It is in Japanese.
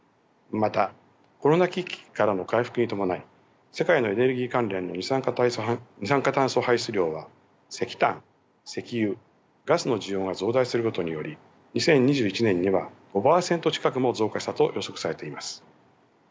またコロナ危機からの回復に伴い世界のエネルギー関連の二酸化炭素排出量は石炭石油ガスの需要が増大することにより２０２１年には５％近くも増加したと予測されています。